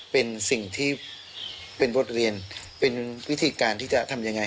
เป็นสิ่งที่เป็นบทเรียนเป็นวิธีการที่จะทำยังไง